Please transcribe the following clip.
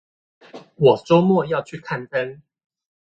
我週末要去看燈